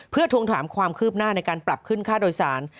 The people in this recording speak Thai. เพื่อทวงถามความคืบหน้าในการปรับขึ้นค่าโดยสาร